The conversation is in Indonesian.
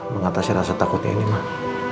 mengatasi rasa takutnya ini mah